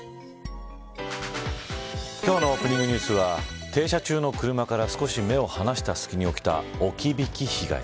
今日のオープニングニュースは停車中の車から少し目を離したすきに起きた置き引き被害。